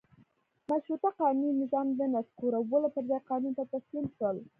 مشروطه قانوني نظام د نسکورولو پر ځای قانون ته تسلیم شول.